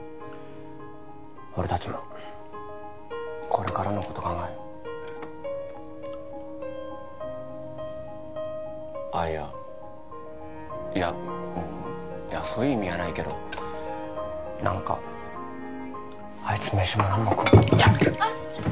俺達もこれからのこと考えようあっいやいやいやそういう意味やないけど何かあいつ飯も何もやっべ！